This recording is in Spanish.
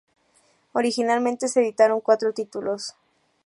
Originalmente se editaron cuatro títulos.